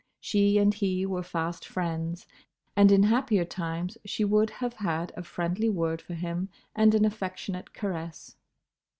She and he were fast friends, and in happier times she would have had a friendly word for him and an affectionate caress.